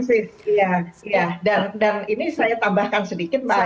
ya dan ini saya tambahkan sedikit mbak ayu